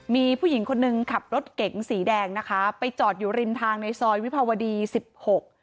มีผู้หญิงคนหนึ่งขับรถเก๋งสีแดงนะคะไปจอดอยู่ริมทางในซอยวิภาวดีสิบหก